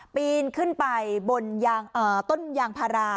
ปีนขึ้นไปบนต้นยางพารา